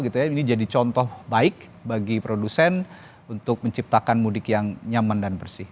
ini jadi contoh baik bagi produsen untuk menciptakan mudik yang nyaman dan bersih